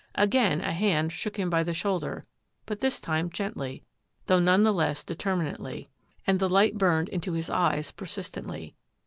Again a hand shook him by the shoulder, but this time gently, though none the less determinately, and the light burned into his eyes persistently.